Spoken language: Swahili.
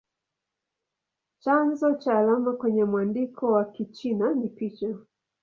Chanzo cha alama kwenye mwandiko wa Kichina ni picha.